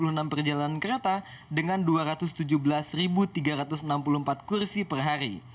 dengan dua ratus enam puluh enam perjalanan kereta dengan dua ratus tujuh belas tiga ratus enam puluh empat kursi per hari